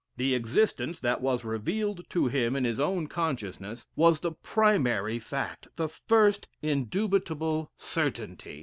The existence that was revealed to him in his own consciousness, was the primary fact, the first indubitable certainty.